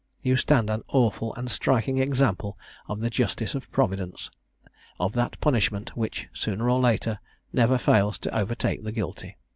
You stand an awful and striking example of the justice of Providence of that punishment, which, sooner or later, never fails to overtake the guilty.